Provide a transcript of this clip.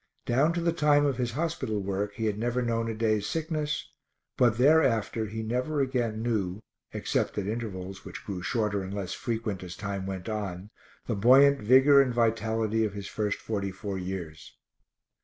Down to the time of his hospital work he had never known a day's sickness, but thereafter he never again knew, except at intervals which grew shorter and less frequent as time went on, the buoyant vigor and vitality of his first forty four years.